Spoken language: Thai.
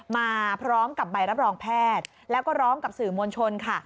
มาพร้อมกับใบรับรองแพทย์แล้วก็ร้องกับสื่อมวลชนค่ะ